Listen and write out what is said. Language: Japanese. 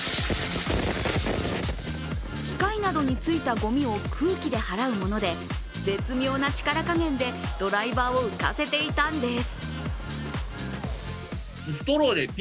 機械などについたごみを空気で払うもので絶妙な力加減でドライバーを浮かせていたんです。